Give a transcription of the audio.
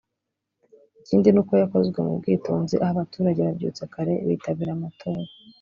ikindi n’uko yakozwe mu bwitonzi aho aba baturage babyutse kare bitabira amatora